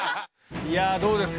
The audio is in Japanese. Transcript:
いや、どうですか？